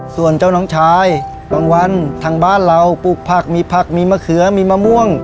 ส่วนเจ้าน้องชายบางวันทางบ้านเราปลูกผักมีผักมีมะเขือมีมะม่วง